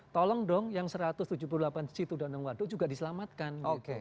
tolong dong yang satu ratus tujuh puluh delapan situ danau waduk juga diselamatkan